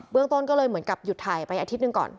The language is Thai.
เรื่องต้นก็เลยเหมือนกับหยุดถ่ายไปอาทิตย์หนึ่งก่อน